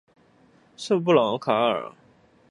圣布朗卡尔。